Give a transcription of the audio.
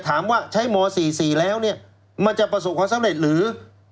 ถามว่าใช้ม๔๔แล้วเนี่ยมันจะประสบความสำเร็จหรือ